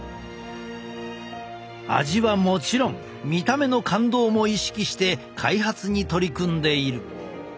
味はもちろん見た目の感動も意識して開発に取り組んでいる。